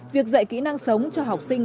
việc dạy kỹ năng sống cho học sinh